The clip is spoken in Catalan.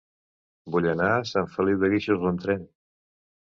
Vull anar a Sant Feliu de Guíxols amb tren.